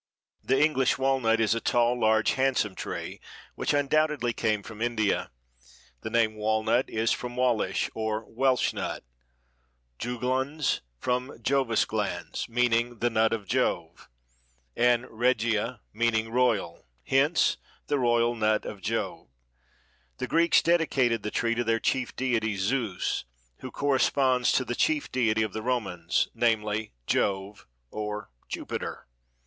The English walnut is a tall, large, handsome tree which undoubtedly came from India. The name walnut is from Walish or Welsch nut; Juglans from Jovis glans, meaning the nut of Jove, and regia, meaning royal, hence the royal nut of Jove. The Greeks dedicated the tree to their chief deity Zeus, who corresponds to the chief deity of the Romans, namely, Jove or Jupiter.